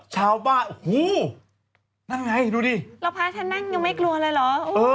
ชาวบ้านโอ้โหนั่นไงดูดิแล้วพระท่านนั่งยังไม่กลัวเลยเหรอ